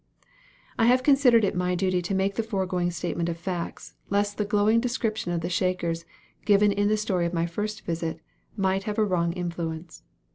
I have considered it my duty to make the foregoing statement of facts, lest the glowing description of the Shakers, given in the story of my first visit, might have a wrong influence.